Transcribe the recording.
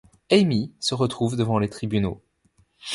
Amy se retrouve devant les tribunaux...